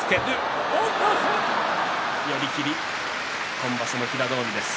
今場所も平戸海です。